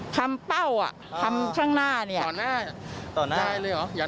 คำเป้าอ่ะคำข้างหน้าเนี่ย